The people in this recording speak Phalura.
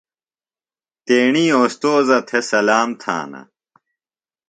تیݨی اوستوذہ تھےۡ سلام تھانہ۔